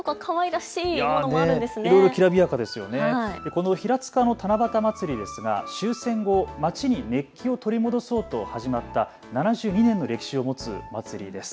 この平塚の七夕まつりですが終戦後、街に熱気を取り戻そうと始まった７２年の歴史を持つまつりです。